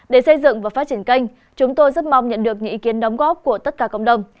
để xây dựng và phát triển kênh chúng tôi rất mong nhận được những ý kiến đóng góp của tất cả cộng đồng